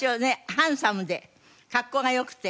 ハンサムで格好が良くて。